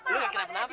lo gak kenapa kenapa